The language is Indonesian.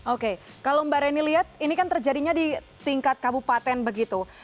oke kalau mbak reni lihat ini kan terjadinya di tingkat kabupaten begitu